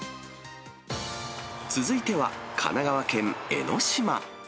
続いては、神奈川県江の島。